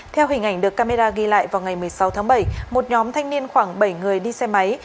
theo hình ảnh được camera ghi lại vào ngày một mươi sáu tháng bảy một nhóm thanh niên khoảng bảy người đi xe máy